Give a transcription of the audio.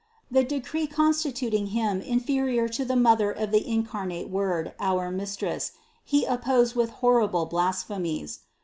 91. The decree constituting him inferior to the Mother of the Incarnate Word, our Mistress, he op posed with horrible blasphemies.